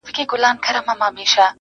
شیطان په زور نیولی-